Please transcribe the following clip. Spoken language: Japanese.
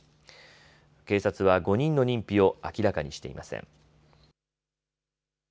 警察は５人の認否を明らかにしていません。